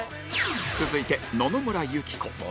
続いて野々村友紀子